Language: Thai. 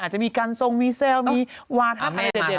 อาจจะมีกันทรงมีแซวมีวาทัพอะไรเด็ดบ้าง